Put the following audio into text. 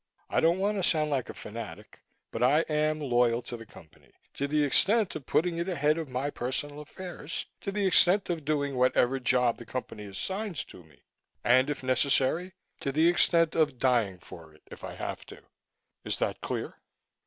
I don't want to sound like a fanatic, but I am loyal to the Company, to the extent of putting it ahead of my personal affairs, to the extent of doing whatever job the Company assigns to me. And, if necessary, to the extent of dying for it if I have to. Is that clear?"